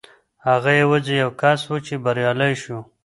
هغه یوازې یو کس و چې بریالی شو.